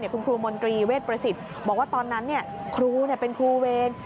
คุณครูมนตรีเวทประสิทธิ์บอกว่าตอนนั้นครูเป็นครูเวร